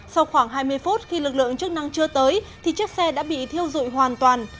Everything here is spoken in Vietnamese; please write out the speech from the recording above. sau khoảng hai mươi phút khi lực lượng chức năng chưa tới thì chiếc xe đã bị thiêu dụi hoàn toàn